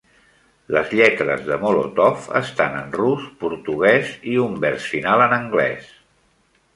Les lletres de "Molotov" estan en rus, portuguès i un vers final en anglès.